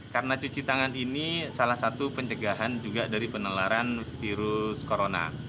karena cuci tangan ini salah satu pencegahan juga dari penelaran virus corona